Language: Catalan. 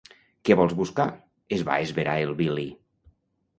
Què vols buscar? —es va esverar el Willy.